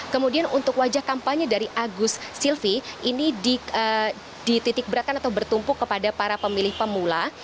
kemudian untuk wajah kampanye dari agus silvi ini dititik beratkan atau bertumpuk kepada para pemilih pemula